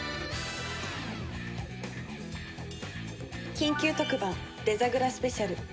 『緊急特番デザグラスペシャル』。